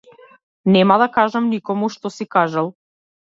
Нема да кажам никому што си кажал.